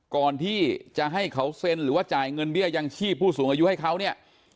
ก่อนที่จะให้เขาเซ็นหรือว่าจ่ายเงินเบี้ยยังชีพผู้สูงอายุให้เขาเนี่ย